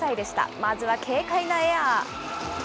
まずは軽快なエア。